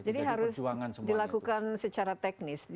jadi harus dilakukan secara teknis